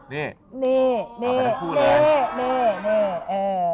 นี่